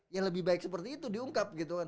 yang lebih baik seperti itu diungkap gitu kan